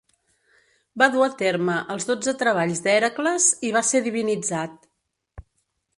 Va dur a terme els dotze treballs d'Hèracles i va ser divinitzat.